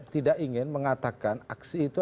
tidak ingin mengatakan aksi itu